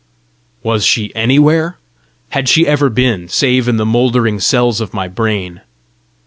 Was she anywhere? had she ever been, save in the mouldering cells of my brain?